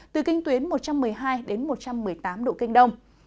từ kinh tuyến một trăm một mươi hai đến một trăm một mươi tám độ kinh đông